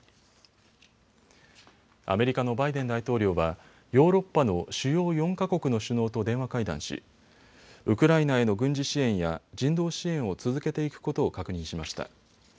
アメリカのバイデン大統領はヨーロッパの主要４か国の首脳と電話会談しウクライナへの軍事支援や人道支援を続けていくことを確認しました。